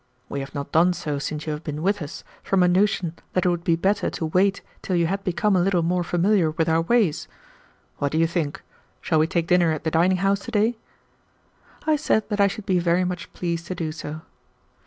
We have not done so since you have been with us, from a notion that it would be better to wait till you had become a little more familiar with our ways. What do you think? Shall we take dinner at the dining house to day?" I said that I should be very much pleased to do so.